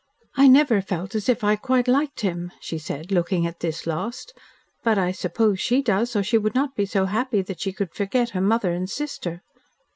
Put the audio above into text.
"I never felt as if I quite liked him," she said, looking at this last, "but I suppose she does, or she would not be so happy that she could forget her mother and sister."